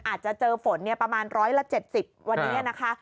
อาจจะเจอฝนเนี่ยประมาณร้อยละเจ็ดสิบวันเนี้ยนะคะ